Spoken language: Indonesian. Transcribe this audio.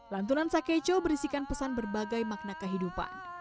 lantunan sakeco berisikan pesan berbagai makna kehidupan